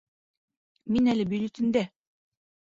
Мин әле бюллетендә